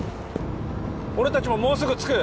俺達ももうすぐ着く！